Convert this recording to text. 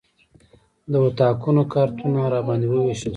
د اتاقونو کارتونه راباندې وویشل شول.